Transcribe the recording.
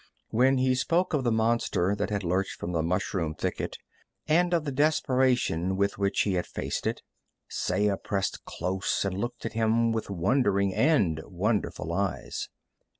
When he spoke of the monster that had lurched from the mushroom thicket, and of the desperation with which he had faced it, Saya pressed close and looked at him with wondering and wonderful eyes.